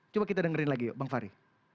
coba kita dengerin lagi yuk bang fahri